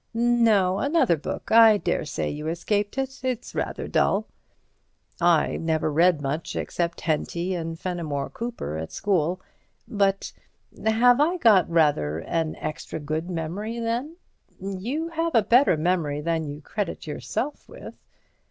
"No—another book—I daresay you escaped it. It's rather dull." "I never read much except Henty and Fenimore Cooper at school.... But—have I got rather an extra good memory, then?" "You have a better memory than you credit yourself with."